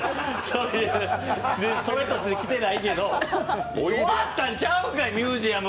それとして来てないけど、終わったんちゃうんか、ミュージアム！